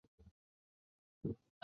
丽江紫菀是菊科紫菀属的植物。